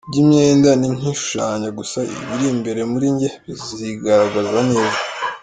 Iby’imyenda ni nk’ishushanya gusa ibiri imbere muri njye bizigaragaza neza”.